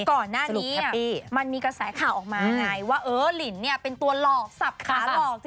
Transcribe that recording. ก่อนหน้านี้มันมีกระแสข่าวออกมาไงว่าเออลินเนี่ยเป็นตัวหลอกสับขาหลอก